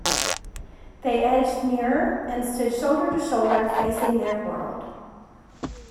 They edged nearer, and stood shoulder to shoulder facing their world.